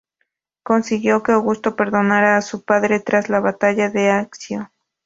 Consiguió que Augusto perdonara a su padre tras la batalla de Accio.